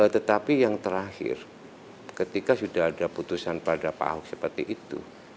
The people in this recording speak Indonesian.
tetapi yang terakhir ketika sudah ada putusan pada pak ahok seperti itu